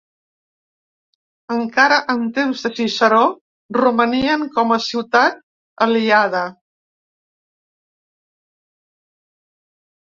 Encara en temps de Ciceró romanien com a ciutat aliada.